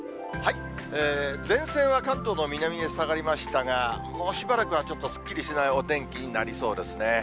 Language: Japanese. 前線は関東の南へ下がりましたが、もうしばらくはちょっとすっきりしないお天気になりそうですね。